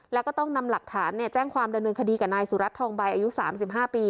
แล้วก็ต้องนำหลักฐานแจ้งความดำเนินคดีกับนายสุรัตนทองใบอายุ๓๕ปี